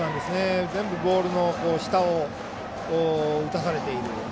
全部ボールの下を打たされている。